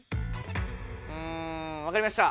うんわかりました。